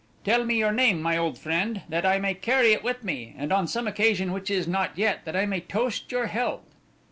"Tell me your name, my old friend, that I may carry it with me, and on some occasion which is not yet, that I may toast your health."